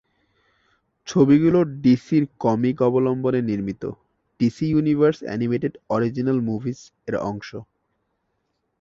ছবিগুলো ডিসির কমিক অবলম্বনে নির্মিত "DC Universe Animated Original Movies" এর অংশ।